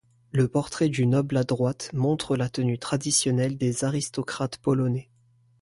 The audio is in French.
Le portrait du noble à droite montre la tenue traditionnelle des aristocrates polonais.